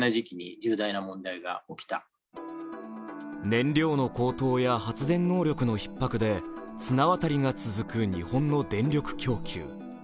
燃料の高騰や発電能力のひっ迫で綱渡りが続く日本の電力供給。